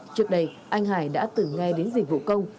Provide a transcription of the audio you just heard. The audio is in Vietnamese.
trước đây anh hải đã tự nghe đến dịch vụ công